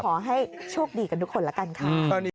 ขอให้โชคดีกันทุกคนละกันค่ะ